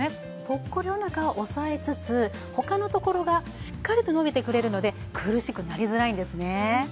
ポッコリお腹を押さえつつ他のところがしっかりと伸びてくれるので苦しくなりづらいんですね。